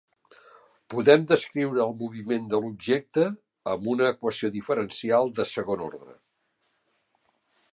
Podem descriure el moviment de l'objecte amb una equació diferencial de segon ordre.